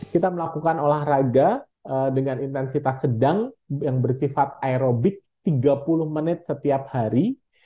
kita melakukan olahraga dengan intensitas sedang yang bersifat aerobik tiga puluh menit setiap hari